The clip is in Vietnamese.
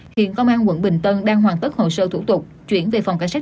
hiện công an quận bình tân đang hoàn tất hồ sơ thủ tục chuyển về phòng cảnh sát